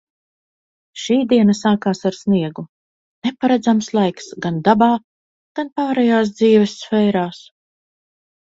Šī diena sākās ar sniegu. Neparedzams laiks – gan dabā, gan pārējās dzīves sfērās.